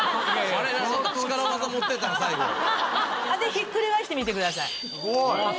ひっくり返してみてください。